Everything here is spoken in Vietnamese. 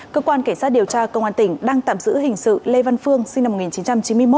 cơ quan cảnh sát điều tra công an tỉnh đang tạm giữ hình sự lê văn phương sinh năm một nghìn chín trăm chín mươi một